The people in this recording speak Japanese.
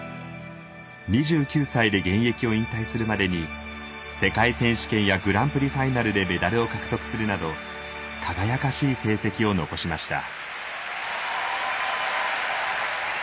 ２９歳で現役を引退するまでに世界選手権やグランプリファイナルでメダルを獲得するなど輝かしい成績を残しました。